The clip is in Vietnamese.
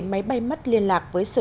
máy bay mất liên lạc với sở